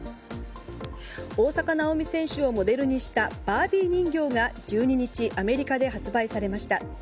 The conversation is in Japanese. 大坂なおみ選手をモデルにしたバービー人形が１２日アメリカで発売されました。